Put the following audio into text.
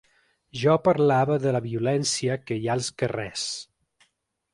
Jo parlava de la violència que hi ha als carrers.